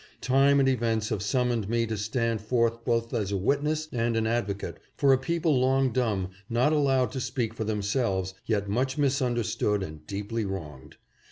Time and events have summoned me to stand forth both as a witness and an advocate for a people long dumb, not allowed to speak for themselves, yet much misunderstood and deeply wronged.